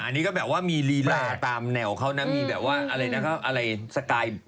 อันนี้ก็แบบว่ามีลีลาตามแนวเขานะมีแบบว่าอะไรนะเขาอะไรสกาย